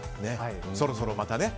そろそろまたね